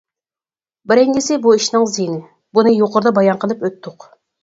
بىرىنچىسى بۇ ئىشنىڭ زىيىنى، بۇنى يۇقىرىدا بايان قىلىپ ئۆتتۇق.